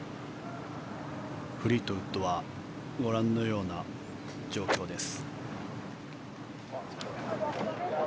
フリートウッドはご覧のような状況です。